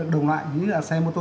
đồng loại như là xe mô tô